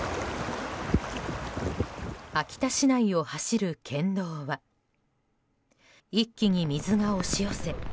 秋田市内を走る県道は一気に水が押し寄せ